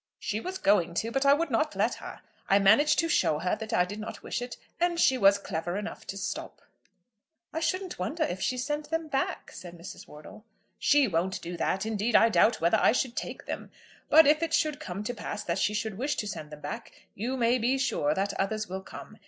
"She was going to, but I would not let her. I managed to show her that I did not wish it, and she was clever enough to stop." "I shouldn't wonder if she sent them back," said Mrs. Wortle. "She won't do that. Indeed, I doubt whether I should take them. But if it should come to pass that she should wish to send them back, you may be sure that others will come.